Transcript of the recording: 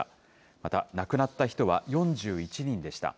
また、亡くなった人は４１人でした。